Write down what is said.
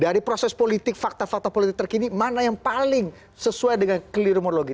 dari proses politik fakta fakta politik terkini mana yang paling sesuai dengan kelirumologi